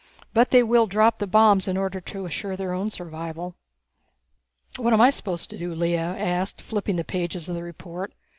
But they will drop the bombs in order to assure their own survival." "What am I supposed to do?" Lea asked, flipping the pages of the report.